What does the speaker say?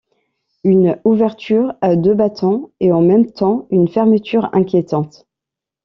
Une ouverture à deux battants ; et en même temps une fermeture inquiétante.